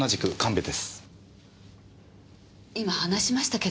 今話しましたけど。